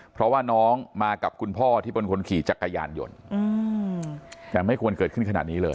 เพราะว่าน้องมากับคุณพ่อที่เป็นคนขี่จักรยานยนต์แต่ไม่ควรเกิดขึ้นขนาดนี้เลย